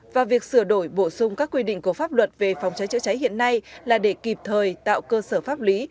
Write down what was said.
và việc sửa đổi bổ sung các quy định của pháp luật về phòng cháy chữa cháy hiện nay là để kịp thời tạo cơ sở pháp lý